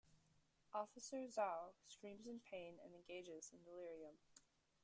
Officer Zau screams in pain and engages in delirium.